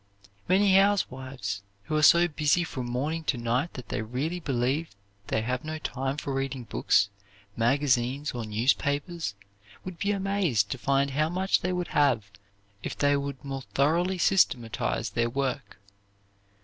Many housewives who are so busy from morning to night that they really believe they have no time for reading books, magazines, or newspapers would be amazed to find how much they would have if they would more thoroughly systematize their work.